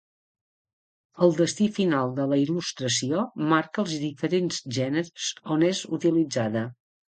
El destí final de la il·lustració marca els diferents gèneres on és utilitzada.